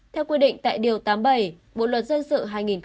theo quy định tại điều tám mươi bảy bộ luật dân sự hai nghìn một mươi năm